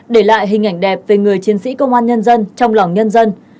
để lại hình ảnh đẹp về người chiến sĩ công an nhân dân trong lòng nhân dân